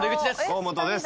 河本です。